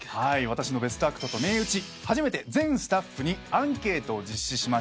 「私のベストアクト！」と銘打ち初めて全スタッフにアンケートを実施しました。